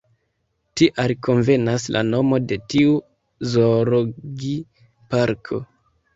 Tial konvenas la nomo de tiu zoologi-parko.